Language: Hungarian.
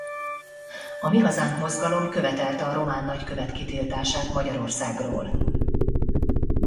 A Mi Hazánk Mozgalom követelte a román nagykövet kitiltását Magyarországról.